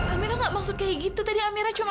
amirah enggak maksud kayak gitu tadi amirah cuma